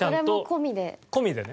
それも込みで。